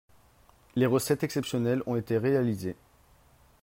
Les recettes exceptionnelles ont été réalisées